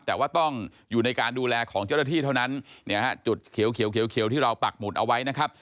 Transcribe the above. แต่ว่าต้องอยู่ในการดูแลของเจ้าหน้าที่เท่านั้นเนี่ยฮะจุดเขียวที่เราปักหมุดเอาไว้นะครับ